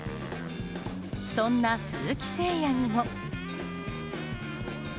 そんな鈴木誠也にも。